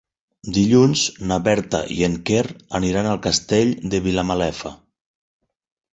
Dilluns na Berta i en Quer aniran al Castell de Vilamalefa.